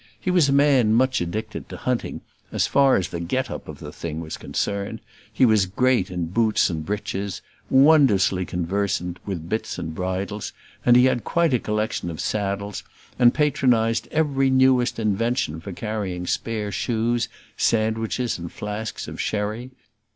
He was a man much addicted to hunting, as far as the get up of the thing was concerned; he was great in boots and breeches; wondrously conversant with bits and bridles; he had quite a collection of saddles; and patronised every newest invention for carrying spare shoes, sandwiches, and flasks of sherry.